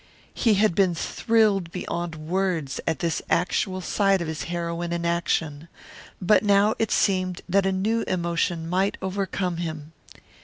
He had been thrilled beyond words at this actual sight of his heroine in action, but now it seemed that a new emotion might overcome him.